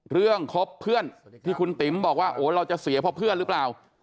คบเพื่อนที่คุณติ๋มบอกว่าโอ้เราจะเสียเพราะเพื่อนหรือเปล่า